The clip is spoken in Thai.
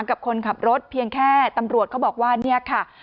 กับคนขับรถเพียงแค่ตำรวจเขาบอกว่าเนี่ยค่ะ